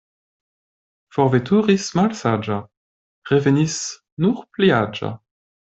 Forveturis malsaĝa, revenis nur pli aĝa.